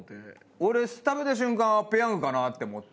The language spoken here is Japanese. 俺食べた瞬間はペヤングかなって思って。